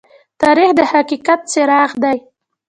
تاریخ د حقیقت څراغ دى.